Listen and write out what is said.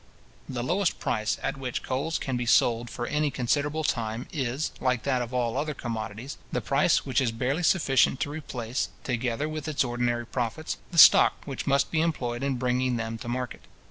The lowest price at which coals can be sold for any considerable time, is, like that of all other commodities, the price which is barely sufficient to replace, together with its ordinary profits, the stock which must be employed in bringing them to market.